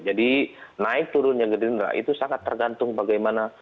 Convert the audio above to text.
jadi naik turunnya gerindra itu sangat tergantung bagaimana